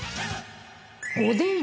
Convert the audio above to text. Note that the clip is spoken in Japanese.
おでん。